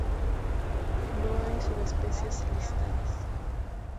No hay subespecies listadas.